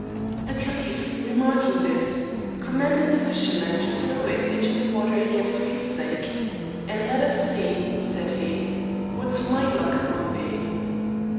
The caliph remarking this, commanded the fisherman to throw it into the water again for his sake, " and let us see," said he, " what my luck will be."